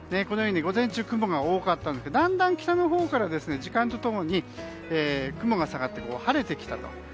午前中、雲が多かったんですがだんだん北のほうから時間と共に雲が下がって晴れてきたと。